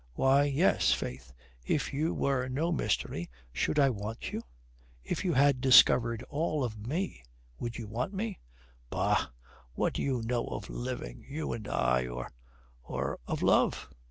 "Why, yes, faith. If you were no mystery, should I want you? If you had discovered all of me, would you want me?" "Bah, what do we know of living, you and I, or or of love?"